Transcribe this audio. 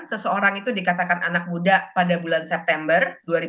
seseorang itu dikatakan anak muda pada bulan september dua ribu dua puluh